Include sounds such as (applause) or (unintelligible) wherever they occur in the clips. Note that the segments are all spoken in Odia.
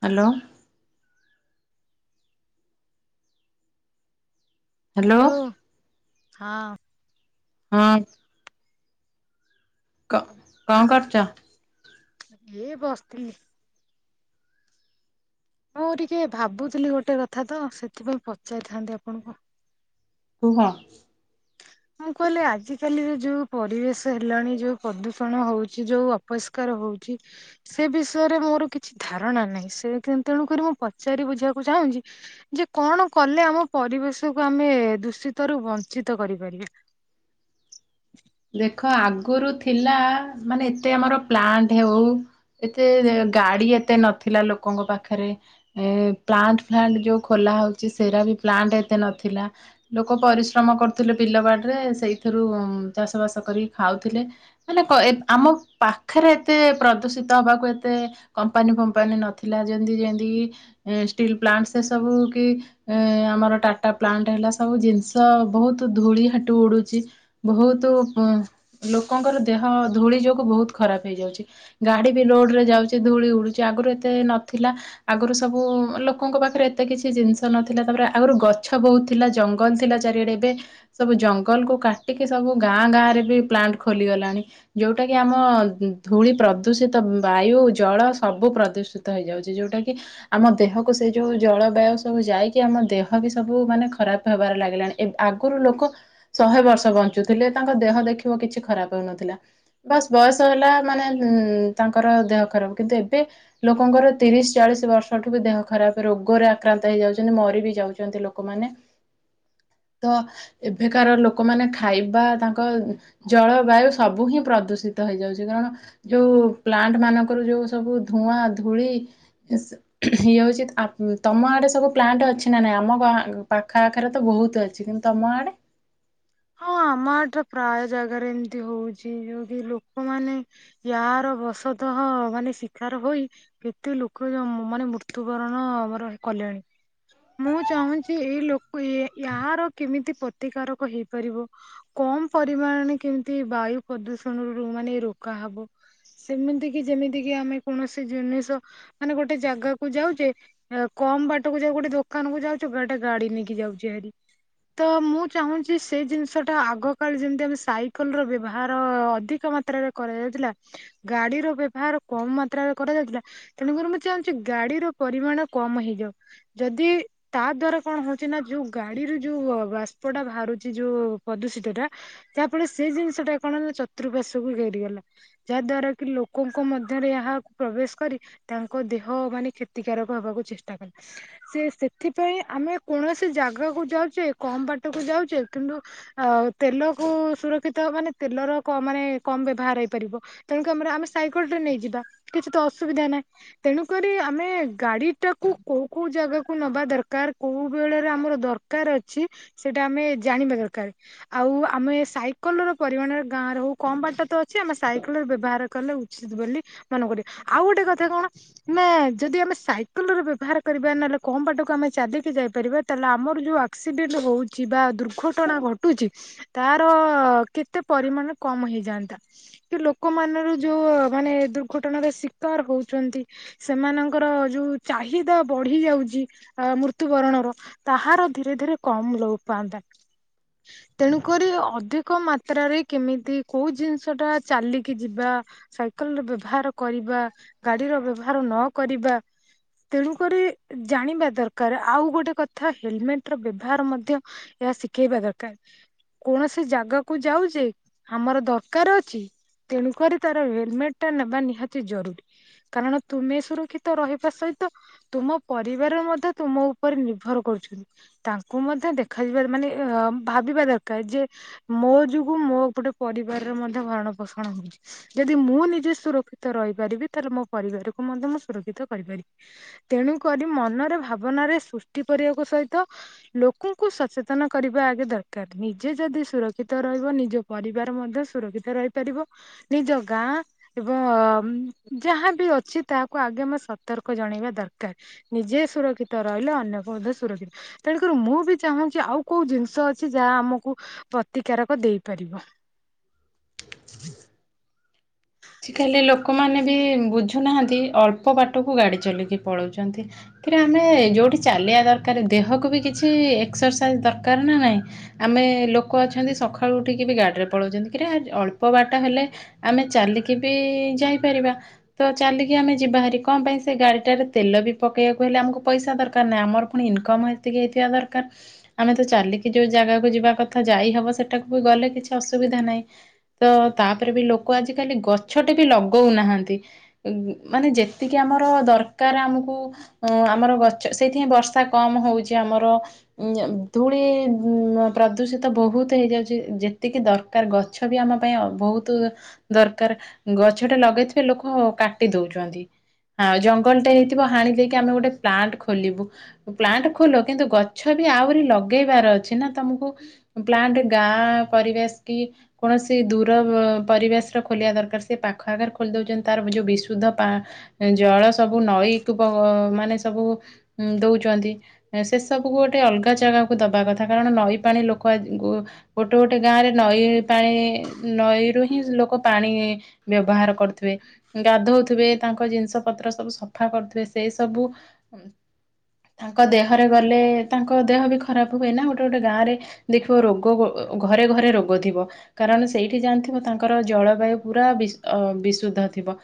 ହ୍ୟାଲୋ। ହ୍ୟାଲୋ ହଁ। ହଁ। କଣ କରୁଚ? ଏ ବସିଥିଲି। ମୁଁ ଟିକେ ଭାବୁଥିଲି ଗୋଟେ କଥା ତ ସେଥିପାଇଁ ପଚାରିଥାନ୍ତି ଆପଣଙ୍କୁ କୁହ। ମୁଁ କହିଲି ଆଜିକାଲିରେ ଯୋଉ ପରିବେଶ ହେଲାଣି ଯୋଉ ପ୍ରଦୂଷଣ ହଉଛି ଯୋଉ ଅପରିଷ୍କାର ହଉଛି ସେ ବିଷୟରେ ମୋର କିଛି ଧାରଣା ନାହିଁ। ସେ ତେଣୁକରି ମୁଁ ପଚାରି ବୁଝିବାକୁ ଚାହୁଁଛି ଯେ କଣ କଲେ ଆମ ପରିବେଶକୁ ଆମେ ଦୂଷିତରୁ ବଞ୍ଚିତ କରିପାରିବା। ଦେଖ ଆଗରୁ ଥିଲା, ମାନେ ଏତେ ଆମର ପ୍ଲାଣ୍ଟ ହେଉ, ଏତେ ଗାଡି ଏତେ ନଥିଲା ଲୋକଙ୍କ ପାଖରେ, ଏ ପ୍ଲାଣ୍ଟ ଫ୍ଲାଣ୍ଟ ଯଉ ଖୋଲା ହଉଚି, ସେଇରା ବି ପ୍ଲାଣ୍ଟ ଏତେ ନଥିଲା। ଲୋକ ପରିଶ୍ରମ କରୁଥିଲେ ବିଲବାଡିରେ, ସେଇଥିରୁ ଚାଷ ବାସ କରି ଖାଉଥିଲେ, ମାନେ ଏ ଆମ ପାଖରେ ଏତେ ପ୍ରଦୂଷିତ ହେବାକୁ ଏତେ କମ୍ପାନୀ ଫମ୍ପାନୀ ନଥିଲା। ଯେମିତି ଯେମିତି କିି ଷ୍ଟିଲ୍ ପ୍ଲାଣ୍ଟ ସେ ସବୁ କି, ଏ ଆମର ଟାଟା ପ୍ଲାଣ୍ଟ ହେଲା ସବୁ ଜିନିଷ ବହୁତ ଧୂଳି ହାଟୁ ଉଡୁଛି। ବହୁତ ତୁ ଲୋକଙ୍କର ଦେହ ଧୂଳି ଯୋଗୁଁ ବହୁତ ଖରାପ ହେଇଯାଉଛି। ଗାଡି ବି ରୋଡରେ ଯାଉଚି, ଧୂଳି ଉଡୁଚି। ଆଗରୁ ଏତେ ନଥିଲା। ଆଗରୁ ସବୁ ଲୋକଙ୍କ ପାଖରେ ଏତେ କିଛି ଜିନିଷ ନଥିଲା। ତାପରେ ଆଗରୁ ଗଛ ବହୁତ ଥିଲା। ଜଙ୍ଗଲ ଥିଲା ଚାରିଆଡେ। ଏବେ ସବୁ ଜଙ୍ଗଲକୁ କାଟିକି ସବୁ ଗାଁ ଗାଁରେ ବି ପ୍ଲାଣ୍ଟ ଖୋଲିଗଲାଣି। ଯଉଟା କି ଆମ ଧୂଳି ପ୍ରଦୂଷିତ ବାୟୁ, ଜଳ, ସବୁ ପ୍ରଦୂଷିତ ହେଇଯାଉଚି। ଯଉଟା କି ଆମ ଦେହକୁ ସେ ଯଉ ଜଳ ବାୟୁ ସବୁ ଯାଇକି ଆମ ଦେହ ବି ସବୁ ମାନେ ଖରାପ ହେବାରେ ଲାଗିଲାଣି। ଏବ୍ ଆଗରୁ ଲୋକ ଶହେ ବର୍ଷ ବଞ୍ଚୁ ଞ୍ଚୁ ଥିଲେ। ତାଙ୍କ ଦେହ ଦେଖିବ କିଛି ଖରାପ ହଉନଥିଲା। ବାସ ବୟସ ହେଲା ମାନେ ଉ ତାଙ୍କର ଦେହ ଖରାପ କିନ୍ତୁ ଏବେ ଲୋକଙ୍କର ତିରିଶ ଚାଳିଶ ବର୍ଷଠୁ ବି ଦେହ ଖରାପ ରୋଗରେ ଆକ୍ରାନ୍ତ ହେଇଯାଉଚନ୍ତି, ମରି ବି ଯାଉଚନ୍ତି ଲୋକମାନେ। ତ ଏବେକାର ଲୋକମାନେ ଖାଇବା ତାଙ୍କ ଜଳବାୟୁ ସବୁ ହିଁ ପ୍ରଦୂଷିତ ହେଇଯାଉଚି କାରଣ ଯଉ ପ୍ଲାଣ୍ଟ ମାନଙ୍କରୁ ଯଉ ସବୁ ଧୂଆଁ, ଧୂଳି ଇଏ ହଉଚି, ଆ ତମ ଆଡେ ସବୁ ପ୍ଲାଣ୍ଟ ଅଛି ନା ନାହିଁ? ଆମ ଆ ପାଖ ଆଖରେ ତ ବହୁତ ଅଛି କିନ୍ତୁ ତମ ଆଡେ? ହଁ, ଆମ ଏଠା ପ୍ରାୟ ଜାଗାରେ ଏମିତି ହଉଚି। ଯଉ କି ଲୋକମାନେ ୟାର ବସତଃ ମାନେ ଶିକାର ହୋଇ କେତେ ଲୋକ ମାନେ ମୃତ୍ୟୁବରଣ ଆମର କଲେଣି। ମୁଁ ଚାହୁଁଚି ଏଇ ଲୋ କୁ ୟେ ୟାର କେମିତି ପ୍ରତିକାରକ ହେଇପାରିବ। କମ ପରିମାଣରେ କେମିତି ବାୟୁ ପ୍ରଦୂଷଣରୁ ମାନେ ରୋକା ହବ। ସେମିତି କି ଯେମିତି କି ଆମେ କୌଣସି ଜିନିଷ ମାନେ ଗୋଟେ ଜାଗାକୁ ଯାଉଚେ, କମ ବାଟକୁ ଯାଉ ଗୋଟେ ଦୋ ଦୋକାନକୁ ଯାଉଚୁ, ଗୋଟା ଗାଡି ନେଇକି ଯାଉଚି ହାରି ତ, ମୁଁ ଚାହୁଁଚି ସେଇ ଜିନିଷଟା ଆଗ କାଳ ଯେମିତି ଆମେ ସାଇକେଲର ବ୍ୟବହାର ଅଧିକ ମାତ୍ରାରେ କରାଯାଉଥିଲା, ଗାଡିର ବ୍ୟବହାର କମ ମାତ୍ରାରେ କରାଯାଉଥିଲା। ତେଣୁକରି ମୁଁ ଚାହୁଁଚି ଗାଡିର ପରିମାଣ କମ ହେଇଯାଉ। ଯଦି ତା ଦ୍ଵାରା କଣ ହଉଚି ନା ଯଉ ଗାଡିରୁ ଯୋଉ ବାଷ୍ପ ଟା ବାହାରୁଚି, ଯୋଉ ପ୍ରଦୂଷିତ ଟା ଯାହାଫଳରେ ସେଇ ଜିନିଷ ଟା କଣ ଚତୁପାର୍ଶ୍ଵକୁ ଘେରି ଗଲା। ଯାହା ଦ୍ଵାରା କି ଲୋକଙ୍କ ମଧ୍ୟରେ ଏହାକୁ ପ୍ରବେଶ କରି ତାଙ୍କ ଦେହ ମାନେ କ୍ଷତିକାରକ ହବାକୁ ଚେଷ୍ଟା କଲା। ସେ ସେ ଏଥିପାଇଁ ଆମେ କୌଣସି ଜାଗାକୁ ଯାଉଚେ, କମ ବାଟକୁ ଯାଉଚେ କିନ୍ତୁ ଅ ତେଲକୁ ସୁରକ୍ଷିତ ମାନେ ତେଲର କମ ମାନେ କମ ବ୍ୟବହାର ହେଇପାରିବ। ତେଣୁକରି ଆମର ଆମେ ସାଇକେଲ ଟେ ନେଇଯିବା କିଛି ତ ଅସୁବିଧା ନାହିଁ। ତେଣୁକରି ଆମେ ଗାଡିଟାକୁ କୋଉ କୋଉ ଜାଗାକୁ ନବା ଦରକାର କୋଉ ବେଳରେ ଆମର ଦରକାର ଅଛି, ସେଇଟା ଆମେ ଜାଣିବା ଦରକାର। ଆଉ ଆମେ ସାଇକେଲର ପରିମାଣ ଗାଁରେ ହଉ କମ ବାଟ ତ ଅଛି ଆମେ ସାଇକେଲରେ ବ୍ୟବହାର କଲେ, ଉଚିତ ବୋଲି ମନେକରୁ। ଆଉ ଗୋଟେ କଥା କଣ ନା ଯଦି ଆମେ ସାଇକେଲରେ ବ୍ୟବହାର କରିବା ନହେଲେ କମ ବାଟକୁ ଆମେ ଚାଲିକି ଯାଇପାରିବା, ତାହେଲେ ଆମର ଯଉ ଆକ୍ସିଡେଣ୍ଟ ହଉଚି ବା ଦୁର୍ଘଟଣା ଘଟୁଚି ତାର କେତେ ପରିମାଣ କମ ହେଇଯାଆନ୍ତା। କି ଲୋକମାନର ଯଉ ମାନେ ଦୁର୍ଘଟଣାର ଶିକାର ହଉଚନ୍ତି, ସେମାନଙ୍କର ଯଉ ଚାହିଦା ବଢ଼ି ଯାଉଚି ଜି ଆ ମୃତ୍ୟୁବରଣର, ତାହାର ଧୀରେ ଧୀରେ କମ ଲୋପ ପାଆନ୍ତା। ତେଣୁକରି ଅଧିକ ମାତ୍ରାରେ କେମିତି କଉ ଜିନିଷ ଟା ଚାଲିକି ଯିବା, ସାଇକେଲର ବ୍ୟବହାର କରିବା, ଗାଡିର ବ୍ୟବହାର ନ କରିବା, ତେଣୁକରି ଜାଣିବା ଦରକାର। ଆଉ ଗୋଟେ କଥା ହେଲମେଟର ବ୍ୟବହାର ମଧ୍ୟ ଏହା ଶିଖେଇବା ଦରକାର। କୌଣସି ଜାଗାକୁୁ ଯାଉଚେ ଆମର ଦରକାର ଅଛି, ତେଣୁକରି ତାର ହେଲମେଟଟା ନେବା ନିହାତି ଜରୁରୀ। କାରଣ ତୁମେ ସୁରକ୍ଷିତ ରହିବା ସହିତ ତୁମ ପରିବାର ମଧ୍ୟ ତୁମ ଉପରେ ନିର୍ଭର କରୁଚନ୍ତି। ତାଙ୍କୁ ମଧ୍ୟ ଦେଖାଯିବା ମାନେ ଏ ଭାବିବା ଦରକାର ଯେ, ମୋ ଯୋଗୁଁ ମୋ ଗୋଟେ ପରିବାରର ମଧ୍ୟ ଭରଣ ପୋଷଣ ହଉଚି। ଯଦି ମୁଁ ନିଜେ ସୁରକ୍ଷିତ ରହିପାରିବି ତାହେଲେ ମୋ ପରିବାରକୁ ମଧ୍ୟ ମୁଁ ସୁରକ୍ଷିତ କରିପାରିବି। ତେଣୁ କରି ମନରେ ଭାବନାରେ ସୃଷ୍ଟି କରିବାକୁ ସହିତ ଲୋକଙ୍କୁ ସଚେତନ କରିବା ଆଗେ ଦରକାର। ନିଜେ ଯଦି ସୁରକ୍ଷିତ ରହିବ, ନିଜ ପରିବାର ମଧ୍ୟ ସୁରକ୍ଷିତ ରହିପାରିବ। ନିଜ ଗାଁ ଏବଂ ଅ ଯାହାବି ଅଛି ତାହାକୁ ଆଗେ ଆମେ ସତର୍କ ଜଣେଇବା ଦର କାର। ନିଜେ ସୁରକ୍ଷିତ ରହିଲେ ଅନ୍ୟକୁ ମଧ୍ୟ ସୁରକ୍ଷିତ। ତେଣୁକରି ମୁଁ ବି ଚାହୁଁଚି, ଆଉ କୋଉ ଜିନିଷ ଅଛି ଯାହା ଆମକୁ ପ୍ରତିକାରକ ଦେଇପାରିବ। (unintelligible) ଆଜିକାଲି ଲୋକ ଲୋକମାନେ ବି ବୁଝୁନାହାନ୍ତି ଅଳ୍ପ ବାଟକୁ ଗାଡି ଚଲେଇକି ପଳଉଚନ୍ତି। ଏଥିରେ ଆମେ ଯଉଠି ଚାଲିବା ଦରକାର ଦେହକୁ ବି କିଛି ଏକ୍ସରସାଇଜ ଦରକାର ନା ନାଇଁ, ଆମେ ଲୋକ ଅଛନ୍ତି ସଖାଳୁ ଉଠିକି ବି ଗାଡିରେ ପଳଉଚନ୍ତି, କିରେ ଅଳ୍ପ ବାଟ ହେଲେ ଆମେ ଚାଲିକି ଏବେ ଯାଇପାରିବା ତ ଚାଲିକି ଆମେ ଯିବାହାରି କଣ ପାଇଁ ସେ ଗାଡିଟାରେ ତେଲ ବି ପକେଇବାକୁ ହେଲେ ଆମକୁ ପଇସା ଦରକାର ନାଇଁ। ଆମର ପୁଣି ଇନକମ ଏତିକି ହେଇଥିବା ଦରକାର। ଆମେ ତ ଚାଲିକି ଯଉ ଜାଗାକୁ ଯିବା କଥା ଯାଇହବ ସେଟାକୁ ବି ଗଲେ କିଛି ଅସୁବିଧା ନାହିଁ। ତ ତାପରେ ବି ଲୋକ ଆଜିକାଲି ଗର୍ ଗଛଟେ ବି ଲଗଉନାହାନ୍ତି। ମାନେ ଯେତିକି ଆମର ଦରକାର ଆମକୁ ଉଁ ଆମର ଗଛ ସେଇଥିପାଇଁ ବର୍ଷା କମ ହଉଚି ଆମର ଧୂଳି ପ୍ରଦୂଷିତ ବହୁତ ହେଇଯାଉଚି। ଯେତିକି ଦରକାର ଗଛ ବି ଆମ ପାଇଁ ଆ ବହୁତ ଦରକାର। ଗଛଟା ଲଗେଇକି ଲୋକ କାଟି ଦଉଚନ୍ତି। ହଁ ଜଙ୍ଗଲଟେ ହେଇଥିବ ହାଣି ଦେଇକି ଆମେ ଗୋଟେ ପ୍ଲାଣ୍ଟ ଖୋଲିବୁ। ପ୍ଲାଣ୍ଟ ଖୋଲ, କିନ୍ତୁ ଗଛ ବି ଆହୁରି ଲଗେଇବାର ଅଛି ନା। ତମକୁ ପ୍ଲାଣ୍ଟ ଗାଁ ପରିବେଶ କି କୌଣସି ଦୂର ପ ପରିବେଶର ଖୋଲିବା ଦରକାର। ସେ ପାଖ ଆଗରେ ଖୋଲି ଦଉଚନ୍ତି। ତାର ଯୋଉ ବିଶୁଦ୍ଧ ପା ଜଳ ସବୁ ନଈ କୁ ବ ମାନେ ସବୁ ଉ ଦଉଚନ୍ତି। ସେ ସବୁକୁ ଗୋଟେ ଅଲଗା ଜାଗାକୁ ଦବା କଥା କାରଣ ନଈ ପାଣି ଲୋକ ଗୋ ଗୋଟେ ଗୋଟେ ଗାଁରେ ନଈ ପାଣି ନଈରୁ ହିଁ ଲୋକ ପାଣି ବ୍ୟବହାର କରୁଥିବେ। ଗାଧଉଥିବେ ତାଙ୍କ ଜିନିଷ ପତ୍ର ସବୁ ସଫା କରୁଥିବେ। ସେଇ ସବୁ ତାଙ୍କ ଦେହରେ ଗଲେ ତାଙ୍କ ଦେହ ବି ଖରାପ ହୁଏ ନା, ଗୋଟେ ଗୋଟେ ଗାଁରେ ଦେଖିବ ରୋଗ ଘରେ ଘରେ ରୋଗ ଥିବ କାରଣ ସେଇଠି ଜାଣିଥିବ ତାଙ୍କର ଜଳବାୟୁ ପୁରା ବିଶ୍ ଅ ବିଶୁଦ୍ଧ ଥିବ।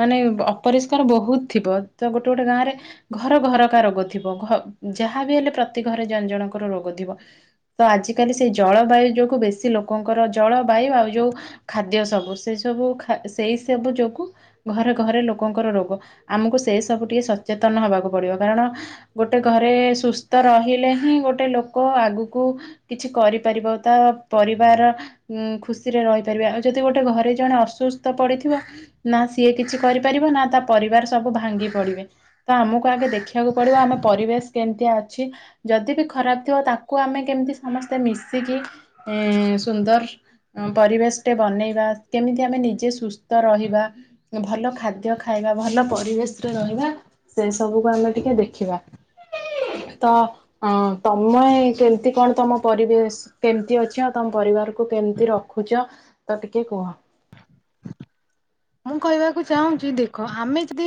ମାନେ ଅପରିଷ୍କାର ବହୁତ ଥିବ ତ ଗୋଟେ ଗୋଟେ ଗାଁ ରେ ଘର ଘରକା ରୋଗ ଥିବ। ଘ ଯାହା ବିି ହେଲେ ପ୍ରତି ଘରେ ଜଣେ ଜଣଙ୍କର ରୋଗ ଥିବ। ତ ଆଜିକାଲି ସେଇ ଜଳ ବାୟୁ ଯୋଗୁଁ ବେଶୀ ଲୋକଙ୍କର ଜଳ ବାୟୁ ଆଉ ଯଉ ଖାଦ୍ୟ ସବୁ ସେ ସବୁ ଖା ଖା ସେଇ ସବୁ ଯୋଗୁ ଘରେ ଘରେ ଲୋକଙ୍କର ରୋଗ। ଆମକୁ ସେ ସବୁ ଟିକେ ସଚେତନ ହବାକୁ ପଡିବ କାରଣ ଗୋଟେ ଘରେ ସୁସ୍ଥ ରହିଲେ ହିଁ ଗୋଟେ ଲୋକ ଆଗକୁ କିଛି କରିପାରିବ ତା ପରିବାର ଉଁ ଖୁସିରେ ରହିପାରିବ। ଆଉ ଯଦି ଗୋଟେ ଘରେ ଜଣେ ଅସୁସ୍ ତ ପଡ଼ିଥିବ, ନା ସିଏ କିଛି କରିପାରିବ ନା ତା ପରିବାର ସବୁ ଭାଙ୍ଗି ପଡ଼ିବେ। ତ ଆମକୁ ଆଗେ ଦେଖିବାକୁ ପଡ଼ିବ ଆମେ ପରିବେଶ କେମିତି ଅଛି। ଯଦି ବି ଖରାପ ଥିବ ତାକୁ ଆମେ କେମିତି ସମସ୍ତେ ମିଶିକି ଇ ସୁନ୍ଦର ଅ ପରିବେଶଟେ ବନେଇବା। କେମିତି ଆମେ ନିଜେ ସୁସ୍ଥ ରହିବା। ଭଲ ଖାଦ୍ୟ ଖାଇବା ଭଲ ପରିବେଶରେ ରହିବା। ସେ ସବୁକୁ ଆମେ ଟିକେ ଦେଖିବା। ତ ଅ ତମେ କେମତି କଣ ତମ ପରିବେଶ କେମତି ଅଛି ଆ ତମ ପରିବାରକୁ କେମିତି ରଖୁଚ ତ ଟିକେ କୁହ? ମୁଁ କହିବାକୁ ଚାହୁଁଚି, ଦେଖ ଆମେ ଯଦି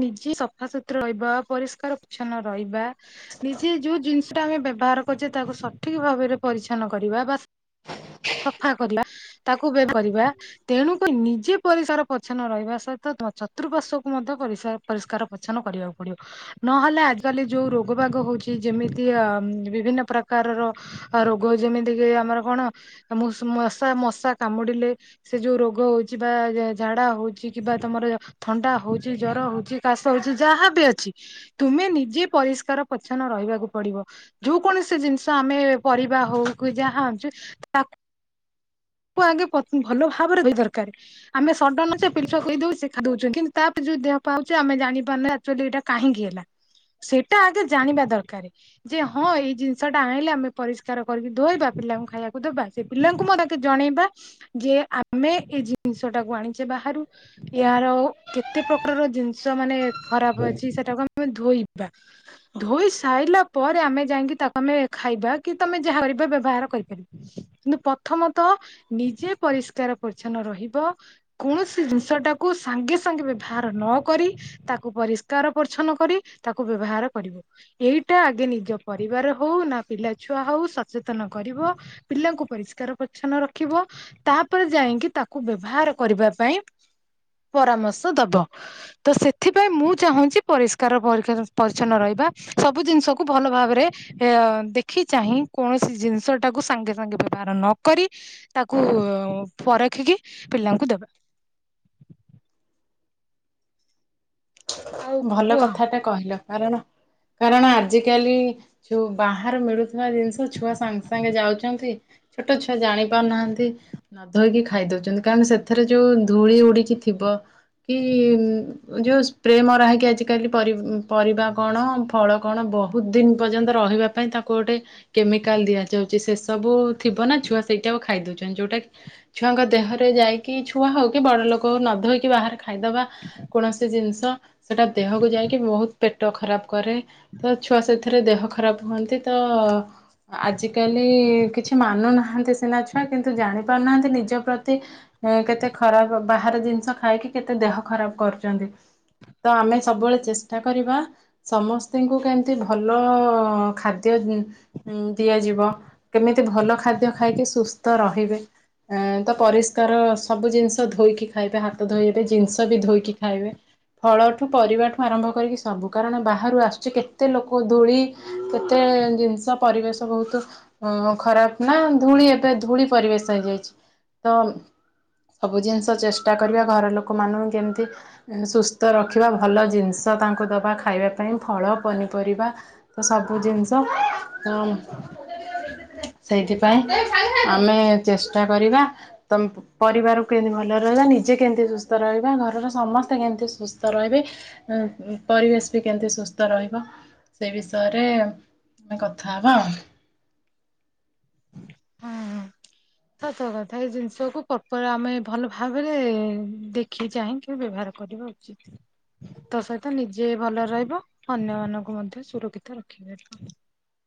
ନିଜେ ସଫାସତୁରା ରହିବା ପରିଷ୍କାର ଉଚ୍ଛନ୍ନ ରହିବା। ନିଜେ ଯଉ ଜିନିଷ ଆମେ ବ୍ୟବହାର କରୁଚେ, ତାକୁ ସଠିକ ଭାବରେ ପରିଛନ୍ନ କରିବା ବା ସଫା କରିବା ତାକୁ ବ୍ୟବ୍ କରିବା, ତେଣୁକ ନିଜେ ପରିଷାର ପର୍ଚ୍ଛନ ରହିବା ସହିତ ଚତୁଃପାର୍ଶ୍ୱକୁ ମଧ୍ୟ ପରିଷା ପରିଷ୍କାର ପରିଚ୍ଛନ କରିବାକୁ ପଡିବ। ନହେଲେ ଆଜିିକାଲି ଯଉ ରୋଗ ବାଗ ହଉଚି, ଯେମିତି ଅ ବିଭିନ୍ନ ପ୍ରକାରର ରୋଗ ଯେମିତି କିି ଆମର କଣ ଅ ମୁ ମଶା ମଶା କାମୁଡିଲେ ସେ ଯଉ ରୋଗ ହଉଚି ବା ଝାଡା ହଉଚି କିମ୍ବା ତମର ଥଣ୍ଡା ହଉଚି, ଜର ହଉଚି, କାଶ ହଉଚି ଯାହା ବି ଅଛି ତୁମେ ନିଜେ ପରିଷ୍କାର ପଚ୍ଛନ୍ନ ରହିବାକୁ ପଡିବ। ଯଉ କୌଣସି ଜିନିଷ ଆମେ ପରିବା ହଉ କି ଯାହା ଆଣଛୁ ତାକ୍ ଆଗେ ପ ଭଲ ଭାବରେ ଧୋଇ ଦରକାରେ। ଆମେ ସଡନ୍ ସେ (unintelligible) କରିଦଉ, ସେ ଖାଦ୍ୟ ଦଉଚନ୍ତି, ତାପରେ ଯଉ ଦେହ ପାହ ହେଉଚି, ଆମେ ଜାଣିପାରୁନେ ଏକଚୋଲି ଏଇଟା କାହିଁକି ହେଲା? ସେଇଟା ଆଗେ ଜାଣିବା ଦରକାରେ ଯେ, ହଁ ଏଇ ଜିନିଷ ଟା ଆଣିଲେ ଆମେ ପରିଷ୍କାର କରିକି ଧୋଇବା ପିଲାଙ୍କୁ ଖାଇବାକୁ ଦେବା। ସେ ପିଲାଙ୍କୁ ମ ଜଣେଇବା ଯେ, ଆମେ ଏଇ ଜିନିଷ ଟାକୁ ଆଣି ଯେ ବାହାରୁ ଏହାର କେତେ ପ୍ରକାରର ଜିନିଷ ମାନେ ଖରାପ ଅଛି ସେଟା କୁ ଆ ମେ ଧୋଇବା ଧୋଇ ସାରିଲା ପରେ ଆମେ ଯାଇକି ତାକୁ ଆମେ ଖାଇବା କି ତମେ ଯାହା ବ୍ୟବହାର କରିପାରିବା କିନ୍ତୁ ପ୍ରଥମ ତ ନିଜେ ପରିଷ୍କାର ପରିଚ୍ଛନ୍ନ ରହିବ କୌଣସି ଜିନିଷ ଟାକୁ ସାଙ୍ଗେ ସାଙ୍ଗେ ବ୍ୟବହାର ନ କରି ତାକୁ ପରିଷ୍କାର ପରିଚ୍ଛନ୍ନ କରି ତାକୁ ବ୍ୟବହାର କରିବ। ଏଇଟା ଆଗେ ନିଜ ପରିବାର ହଉ ନା ପିଲାଛୁଆ ହଉ ସଚେତନ କରିବ ପିଲାଙ୍କୁ ପରିଷ୍କାର ପରିଛନ୍ନ ରଖିବ ତାପରେ ଯାଇକି ତାକୁ ବ୍ୟବହାର କରିବା ପାଇଁ ପରାମର୍ଶ ଦବ ତ ସେଥିପାଇଁ ମୁଁ ଚାହୁଁଛି ପରିଷ୍କାର ପରିଚ୍ଛନ୍ନ ରହିବା ସବୁ ଜିନିଷକୁ ଭଲ ଭାବରେ ଦେଖି ଚାହିଁ କୌଣସି ଜିନିଷ ଟାକୁ ସାଙ୍ଗେ ସାଙ୍ଗେ ବ୍ୟବହାର ନ କରି ତାକୁ ପରଖିକି ପିଲାଙ୍କୁ ଦେବା। ଆଉ କୁହ। ଭଲ କଥା ଟା କହିଲ। କାରଣ କାରଣ ଆଜି କାଲି ବାହାରେ ମିଳୁ ଥିବା ଜିନିଷ ଛୁଆ ସାଙ୍ଗେ ସାଙ୍ଗେ ଯାଉଛନ୍ତି। ଛୋଟ ଛୁଆ ଜାଣି ପାରୁନାହାନ୍ତି ନଧୋଇକି ଖାଇ ଦଉଛନ୍ତି କାରକ ସେଥିରେ ଯୋଉ ଧୂଳି ଉଡିକି ଥିବ କି ଯୋଉ ପ୍ରେମ ରହିକି ଆଜିକାଲି ପରିବା କଣ ଫଳ କଣ ବହୁତ ଦିନ ପର୍ଯ୍ୟନ୍ତ ରହିବା ପାଇଁ ତାକୁ ଗୋଟେ କେମିକାଲ ଦିଆଯାଉଛି ସେସବୁ ଥିବ ନା ଛୁଆ ସେଇଟା ଆକୁ ଖାଇ ଦେେଉଛନ୍ତି ଯେଉଁଟାକି ଛୁଆଙ୍କ ଦେହରେ ଯାଇକି ଛୁଆ ହେଉ କି ବଡ଼ ଲୋକଉ ନଧୋଇକି ବାହାରେ ଖାଇଦବା କୌଣସି ଜିନିଷ ସେଟା ଦେହକୁ ଯାଇକି ବହୁତ ପେଟ ପେଟ ଖରାପ କରେ ତ ଛୁଆ ସେଥିରେ ଦେହ ଖରାପ ହୁଅନ୍ତି ତ ଆଜିକାଲି କିଛି ମାନୁନାହାନ୍ତି ସିନା ଛୁଆ କିନ୍ତୁ ଜାଣି ପାରୁନାହାନ୍ତି ନିଜ ପ୍ରତି କେତେ ଖରାପ ବାହହାର ଜିନିଷ ଖାଇକି କେତେ ଦେହ ଖରାପ କରୁଛନ୍ତି। ତ ଆମେ ସବୁବେଳେ ଚେଷ୍ଟା କରିବା ସମସ୍ତଙ୍କୁ କେମିତି ଭଲ ଖାଦ୍ୟ ଦିଆଯିବ କେମିତି ଭଲ ଖାଦ୍ୟ ଖାଇକି ସୁସ୍ଥ ରହିବେ ତ ପରିଷ୍କାର ସବୁ ଜିନିଷ ଧୋଇକି ଖାଇବେ ହାତ ଧୋଇବେ ଜିନିଷ ବି ଧୋଇକି ଖାଇବେ। ଫଳଠୁ ପରିବାଠୁ ଆରମ୍ଭ କରିକି ସବୁ କାରଣ ବାହାରୁ ଆସୁଛି କେତେ ଲୋକ ଧୂଳି କେତେ ଜିନିଷ ପରିବେଶ ବହୁତ ଖରାପ ନା ଧୂଳି ଏବେ ଧୂଳି ପରିବେଶ ହେଇଯାଇଛି। ତ ସବୁ ଜିନିଷ ଚେଷ୍ଟା କରିବା ଘର ଲୋକମାନଙ୍କୁ କେମିତି ସୁସ୍ଥ ତ ରଖିବା ଭଲ ଜିନିଷ ତାଙ୍କୁ ଦେବା ଖାଇବା ପାଇଁ ଫଳ ପନିପରିବା ତ ସବୁ ଜିନିଷ ତ ସେଇଥିପାଇଁ ଆମେ ଚେଷ୍ଟା କରିବା ତ ପରିବାରକୁ କେମିତି ଭଲ ରହିବା ନିଜେ କେମିତି ସୁସ୍ଥ ରହିବା ଘରର ସମସ୍ତେ କେମିତି ସୁସ୍ଥ ରହିବେ ପରିବେଶ ବି କେମିତି ସୁସ୍ଥ ରହିବ ସେ ବିଷୟରେ ଆମେ କଥା ହବା ଆଉ ହୁଁ ସତ କଥା ଏଇ ଜିନିଷକୁ ପ୍ରପର ଆମେ ଭଲ ଭାବରେ ଦେଖି ଚାହିଁକି ବ୍ୟବହାର କରିବା ଉଚିତ। ତ ସହିତ ନିଜେ ଭଲରେ ରହିବ ଅନ୍ୟମାନଙ୍କୁ ମଧ୍ୟ ସୁରକ୍ଷିତ ରଖାରିବ।